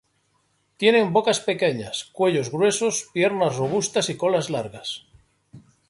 Tienen bocas pequeñas, cuellos gruesos, piernas robustas y colas largas.